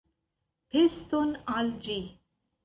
Peston al ĝi!